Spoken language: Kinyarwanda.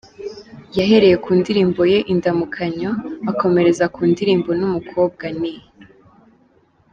Yahereye ku ndirimbo ye ‘Indamukanyo’, akomereza ku ndirimbo, ‘n’umukobwa’, ni.